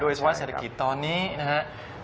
โดยสิ่งว่าเศรษฐกิจตอนนี้นะครับ